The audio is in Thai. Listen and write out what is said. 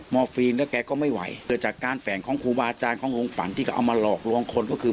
ฟีนแล้วแกก็ไม่ไหวเกิดจากการแฝงของครูบาอาจารย์ของวงฝันที่เขาเอามาหลอกลวงคนก็คือ